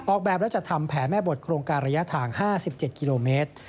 แบบแล้วจะทำแผนแม่บทโครงการระยะทาง๕๗กิโลเมตร